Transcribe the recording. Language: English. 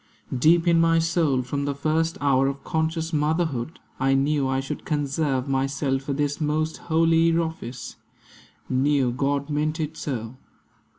Deep in my soul, From the first hour of conscious motherhood, I knew I should conserve myself for this Most holy office; knew God meant it so.